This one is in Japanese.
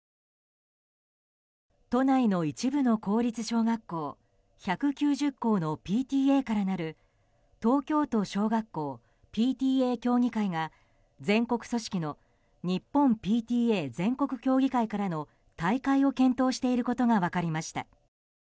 都内の一部の公立小学校１９０校のＰＴＡからなる東京都小学校ＰＴＡ協議会が全国組織の日本ＰＴＡ全国協議会からの退会を検討していることが分かりました。